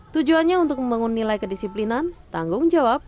tujuannya untuk membangun nilai kedisiplinan tanggung jawab